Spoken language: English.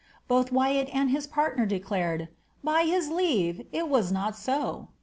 Both Wyatt and hi partner declared, ^ By his leave, it was not so."